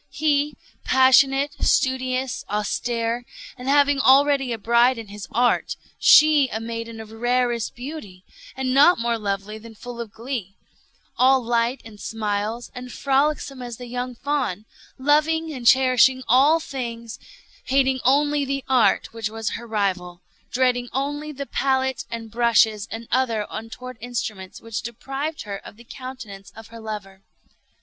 He, passionate, studious, austere, and having already a bride in his Art; she a maiden of rarest beauty, and not more lovely than full of glee; all light and smiles, and frolicsome as the young fawn; loving and cherishing all things; hating only the Art which was her rival; dreading only the pallet and brushes and other untoward instruments which deprived her of the countenance of her lover.